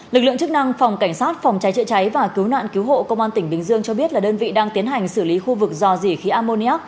lực lượng chức năng phòng cảnh sát phòng cháy trợ cháy và cứu nạn cứu hộ công an tỉnh bình dương cho biết là đơn vị đang tiến hành xử lý khu vực do rỉ khí ammonia